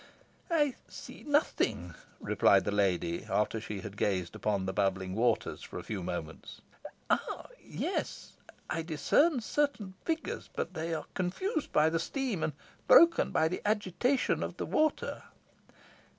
"I see nothing," replied the lady, after she had gazed upon the bubbling waters for a few moments. "Ah! yes I discern certain figures, but they are confused by the steam, and broken by the agitation of the water."